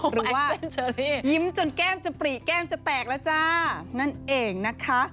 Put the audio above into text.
หรือว่ายิ้มจนแก้มจะปรีแก้มจะแตกแล้วจ้านั่นเองนะคะ